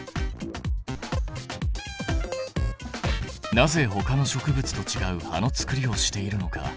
なぜほかの植物とちがう葉のつくりをしているのか。